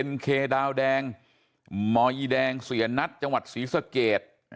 เป็นเคดาวแดงมอยแดงเสียนัทจังหวัดศรีสเกต